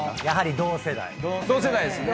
同世代ですね。